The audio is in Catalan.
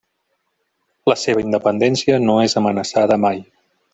La seva independència no és amenaçada mai.